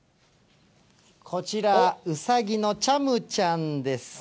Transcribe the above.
こちら、うさぎのチャムちゃんです。